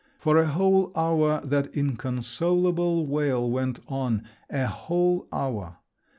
For a whole hour that inconsolable wail went on—a whole hour!